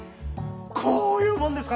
こういうもんですか。